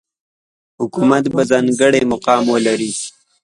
حکومت به ځانګړی مقام ولري.